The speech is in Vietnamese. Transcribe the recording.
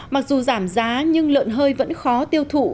mặc dù giảm giá nhưng lợn hơi vẫn khó tiêu thụ